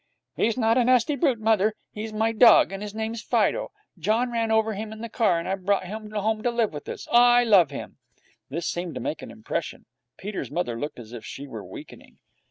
'He's not a nasty brute, mother. He's my dog, and his name's Fido. John ran over him in the car, and I brought him home to live with us. I love him.' This seemed to make an impression. Peter's mother looked as if she were weakening.